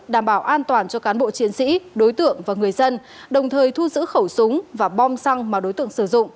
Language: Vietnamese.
đảm bảo an toàn cho cán bộ chiến sĩ đối tượng và người dân đồng thời thu giữ khẩu súng và bom xăng mà đối tượng sử dụng